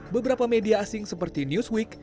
beberapa media asing seperti newsweek